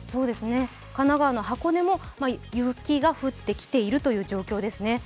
神奈川の箱根も雪が降ってきているという状況ですね。